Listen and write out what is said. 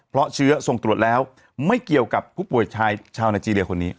เพราะเชื้อส่งตรวจแล้วไม่เกี่ยวกับผู้ป่วยชายชาวนาจีเรียคนนี้